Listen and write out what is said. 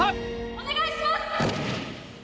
お願いします！